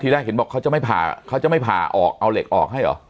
ทีแรกเห็นบอกเขาจะไม่ผ่าออกเอาเหล็กออกให้หรอ